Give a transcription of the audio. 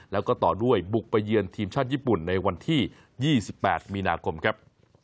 แล้วก็ต่อด้วยบุกไปเยือนทีมชาติญี่ปุ่นในวันที่๒๘มีนาคมครับ